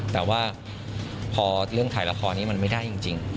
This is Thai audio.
แต่ว่าพอเรื่องถ่ายละครนี้มันไม่ได้จริง